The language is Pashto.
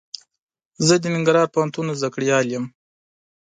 زه د ننګرهار پوهنتون زده کړيال يم.